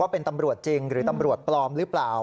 เป็นตำรวจจริงหรือตำรวจปลอมหรือเปล่า